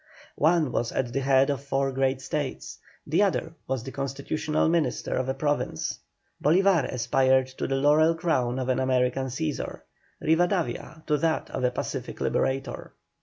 One was at the head of four great States, the other was the constitutional minister of a province. Bolívar aspired to the laurel crown of an American Cæsar, Rivadavia to that of a pacific liberator.